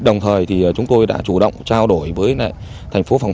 đồng thời thì chúng tôi đã chủ động trao đổi với thành phố phòng